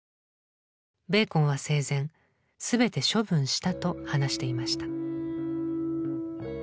ベーコンは生前全て処分したと話していました。